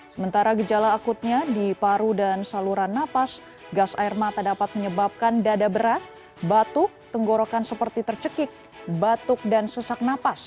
sementara gejala akutnya di paru dan saluran nafas gas air mata dapat menyebabkan dada berat batuk tenggorokan seperti tercekik batuk dan sesak napas